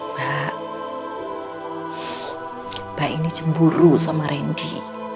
mbak mbak ini cemburu sama rendy